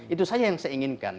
itu saja yang saya inginkan